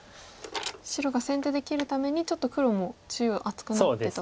白が先手で切るためにちょっと黒も中央厚くなってと。